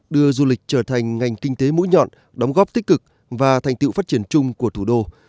đưa du lịch trở thành ngành kinh tế mũi nhọn đóng góp tích cực và thành tựu phát triển chung của thủ đô